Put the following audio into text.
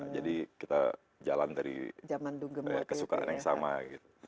jadi kita jalan dari kesukaan yang sama gitu